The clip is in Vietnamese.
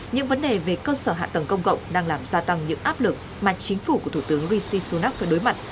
những vấn đề về cơ sở hạ tầng công cộng đang làm gia tăng những áp lực mà chính phủ của thủ tướng rishi sunak phải đối mặt